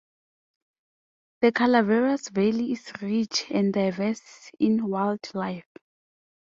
The Calaveras Valley is rich and diverse in wildlife.